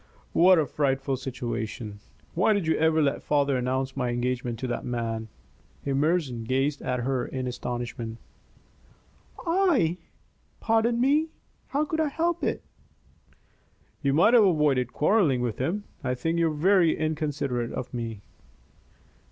"What a frightful situation! Why did you ever let father announce my engagement to that man?" Emerson gazed at her in astonishment. "I? Pardon me how could I help it?" "You might have avoided quarrelling with him. I think you are very inconsiderate of me."